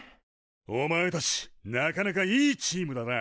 おまえたちなかなかいいチームだな。